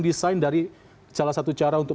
desain dari salah satu cara untuk